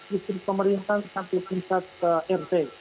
sistem pemerintah sampai pingsat ke rt